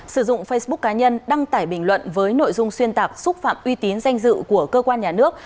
sử dụng facebook cá nhân đăng tải bình luận với nội dung xuyên tạc xúc phạm uy tín danh dự của cơ quan nhà nước